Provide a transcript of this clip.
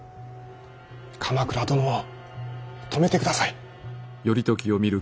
鎌倉殿を止めてください。